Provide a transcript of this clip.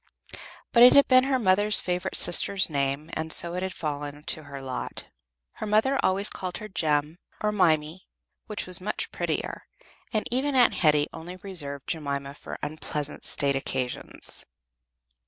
But it had been her mother's favorite sister's name, and so it had fallen to her lot. Her mother always called her "Jem," or "Mimi," which was much prettier, and even Aunt Hetty only reserved Jemima for unpleasant state occasions.